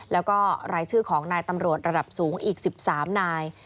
แล้วก็รายชื่อของนายตำรวจระดับสูงอีก๑๓นาย